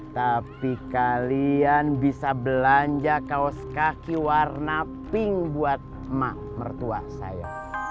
tapi kalian bisa belanja kaos kaki warna pink buat mak mertua saya